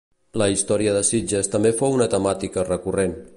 La història de Sitges també fou una temàtica recorrent.